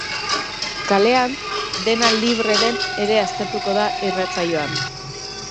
Kalean dena libre den ere aztertuko da irratsaioan.